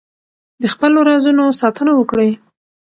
د خپلو رازونو ساتنه وکړئ.